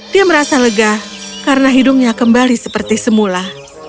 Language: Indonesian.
dia merasa lega karena hidungnya kembali seperti semula